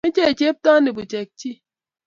meche chepto ni bushekchi